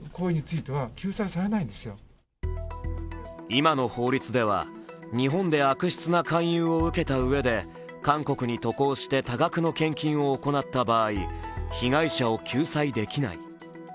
今の法律では、日本で悪質な勧誘を受けたうえで韓国に渡航して多額の献金を行った場合被害者を救済できない。